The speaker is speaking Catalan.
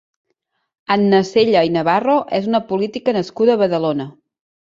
Anna Cella i Navarro és una política nascuda a Badalona.